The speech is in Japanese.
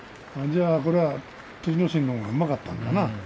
じゃあ、これは栃ノ心のほうがうまかったんだな。